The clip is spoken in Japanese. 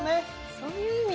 そういう意味でね